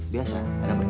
biasa ada beli